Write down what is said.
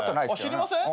知りません？